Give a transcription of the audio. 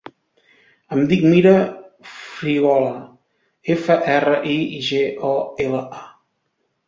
Em dic Mira Frigola: efa, erra, i, ge, o, ela, a.